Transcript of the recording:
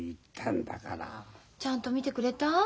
ちゃんと診てくれた？